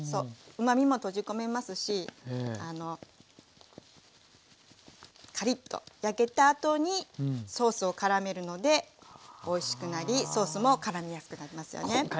うまみも閉じ込めますしカリッと焼けたあとにソースをからめるのでおいしくなりソースもからみやすくなりますよね。